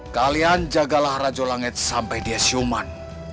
kalian jagalah rajo langit sampai dia siuman